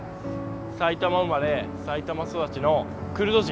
埼玉生まれ埼玉育ちのクルド人。